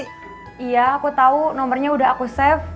kamu tau nomernya udah aku save